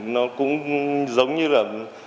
nó cũng giống như là